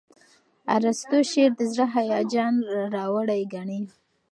ارستو شعر د زړه هیجان راوړي ګڼي.